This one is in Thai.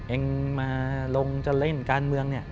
เองมาลงจะเล่นการเมืองเนี่ย